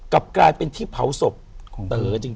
กลับกลายเป็นที่เผาศพของเต๋อจริง